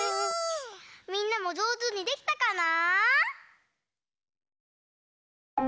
みんなもじょうずにできたかな？